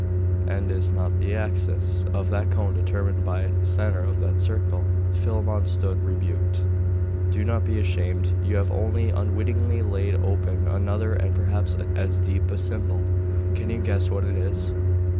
And is not the axis of that cone determined by the centre of that circle?' Philammon stood rebuked. 'Do not be ashamed; you have only, unwittingly, laid open another, and perhaps, as deep a symbol. Can you guess what it is?